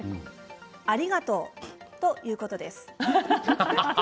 ありがとう！ということです。